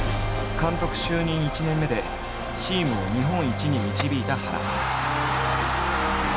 監督就任１年目でチームを日本一に導いた原。